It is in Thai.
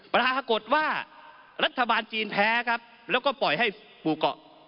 ปรากฏว่ารัฐบาลจีนแพ้ครับแล้วก็ปล่อยให้ปู่เกาะ